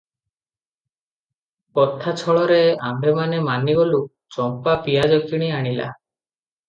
କଥା ଛଳରେ ଆମ୍ଭେମାନେ ମାନିଗଲୁ, ଚମ୍ପା ପିଆଜ କିଣି ଆଣିଲା ।